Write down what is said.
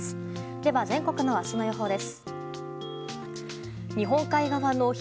では、全国の明日の予報です。